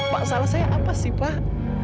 masalah saya apa sih pak